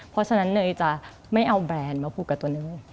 เพราะฉะนั้นเนยจะไม่เอาแบรนด์มาผูกกับตัวเนย